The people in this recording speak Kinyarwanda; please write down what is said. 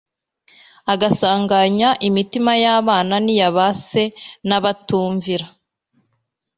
asanganya imitima y'abana n'iya ba se, n'abatumvira